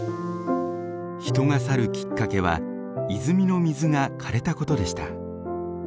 人が去るきっかけは泉の水がかれたことでした。